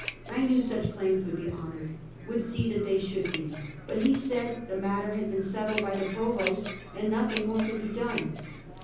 I knew such claims would be honored ; would see that they should be; but he said the matter had been settled by the Provost, and nothing more could be done.